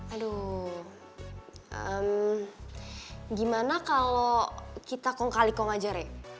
aduh gimana kalau kita kong kali kong aja deh